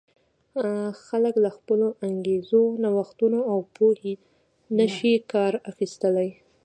خلک له خپلو انګېزو، نوښتونو او پوهې نه شي کار اخیستلای.